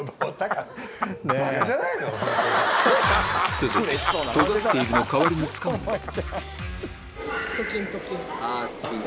続いて「とがっている」の代わりに使うのがヤダ。